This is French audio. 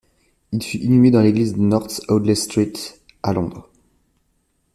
Il fut inhumé dans l'église de North Audley Street à Londres.